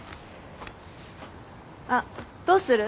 あっどうする？